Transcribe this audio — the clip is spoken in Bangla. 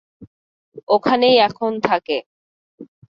ওখানেই এখন থাকে।